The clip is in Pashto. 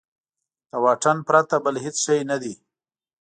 د واټن پرته بل هېڅ شی نه دی.